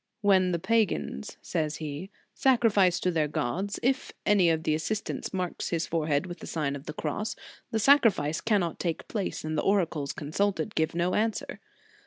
"When the pagans," says he, "sacrifice to their gods, if any of the assistants marks his forehead with the Sign of the Cross, the sacrifice cannot take place, and the oracle consulted gives no answer.